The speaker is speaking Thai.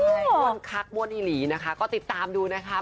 ใช่มั่วคักมั่วนิหลีนะคะก็ติดตามดูนะคะ